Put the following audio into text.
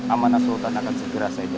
amanah sultan akan segera selesai